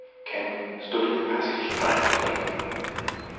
Kemp stood in the passage trying to think.